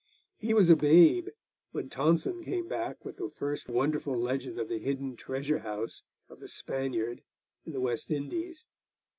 He was a babe when Tonson came back with the first wonderful legend of the hidden treasure house of the Spaniard in the West Indies.